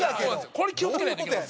これ気を付けないといけない。